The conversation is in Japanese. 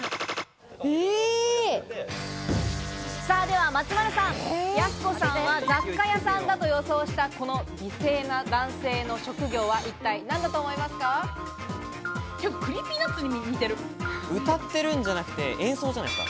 では松丸さん、やす子さんは雑貨屋さんだと予想したこの美声な男性の職業は一体何だと思いま歌ってるんじゃなくて演奏じゃないですか？